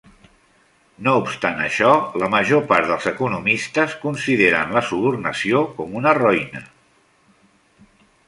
No obstant això, la major part dels economistes consideren la subornació com a roïna.